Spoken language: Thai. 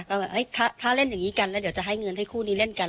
ก็แบบถ้าเล่นอย่างนี้กันแล้วเดี๋ยวจะให้เงินให้คู่นี้เล่นกัน